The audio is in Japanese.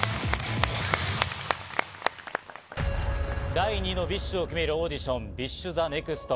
第２のＢｉＳＨを決めるオーディション、ＢｉＳＨＴＨＥＮＥＸＴ。